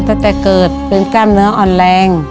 ตั้งแต่เกิดเป็นกล้ามเนื้ออ่อนแรง